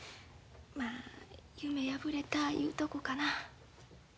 まあ夢破れたいうとこかな。